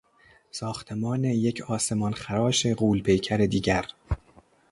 ساختمان یک آسمانخراش غولپیکر دیگر